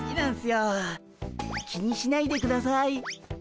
気にしないでください。